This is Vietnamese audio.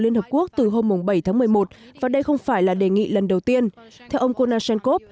liên hợp quốc từ hôm bảy tháng một mươi một và đây không phải là đề nghị lần đầu tiên theo ông konashenkov